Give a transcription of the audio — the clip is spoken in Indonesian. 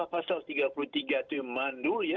pasal tiga puluh tiga itu yang mandul ya